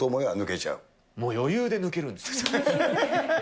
もう余裕で抜けるんですよ。